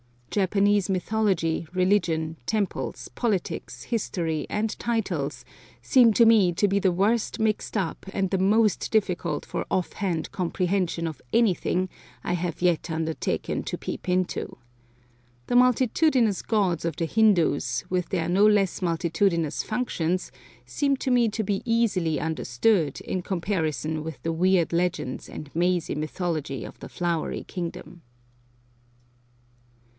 Japanese mythology, religion, temples, politics, history, and titles, seem to me to be the worst mixed up and the most difficult for off hand comprehension of anything I have yet undertaken to peep into. The multitudinous gods of the Hindoos, with their no less multitudinous functions, seem to me to be easily understood in comparison with the weird legends and mazy mythology of the Flowery Kingdom.